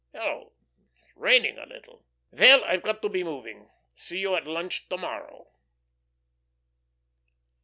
Hello, it's raining a little. Well, I've got to be moving. See you at lunch to morrow."